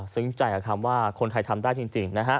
ซึ้งใจกับคำว่าคนไทยทำได้จริง